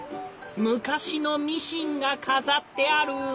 昔のミシンが飾ってある！